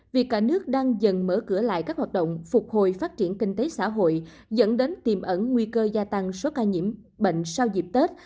việc cả nước đang dần mở cửa lại các hoạt động phục hồi phát triển kinh tế xã hội dẫn đến tiềm ẩn nguy cơ gia tăng số ca nhiễm bệnh sau dịp tết